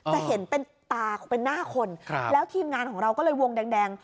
จะเห็นเป็นตาเป็นหน้าคนแล้วทีมงานของเราก็เลยวงแดง